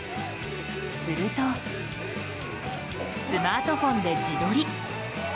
すると、スマートフォンで自撮り。